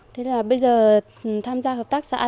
thế là bây giờ tham gia hợp tác xã